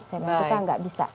saya mengatakan tidak bisa